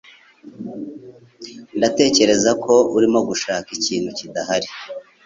Ndatekereza ko urimo gushaka ikintu kidahari.